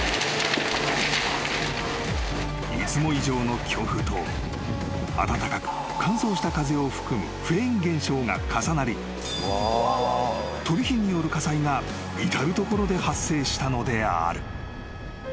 ［いつも以上の強風と温かく乾燥した風を含むフェーン現象が重なり飛び火による火災が至る所で発生したのである］